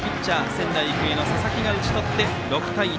仙台育英の佐々木が打ち取って６対１。